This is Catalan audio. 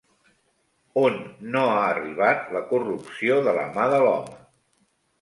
On no ha arribat la corrupció de la mà de l'home?